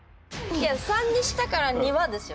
いや３にしたからにはですよ